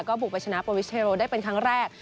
ก็บุกไปชนะโปรวิสเทโรได้เป็นครั้งแรก